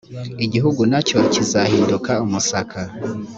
igihugu na cyo kizahinduka umusaka